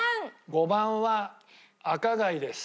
５番は赤貝です。